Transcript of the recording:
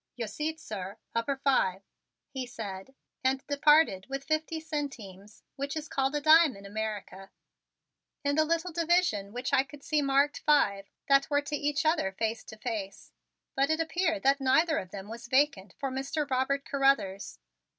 "Your seat, sir, upper five," he said, and departed with my fifty centimes, which is called a dime in America. In the little division which I could see was marked five were two nice seats that were to each other face to face, but it appeared that neither of them was vacant for Mr. Robert Carruthers.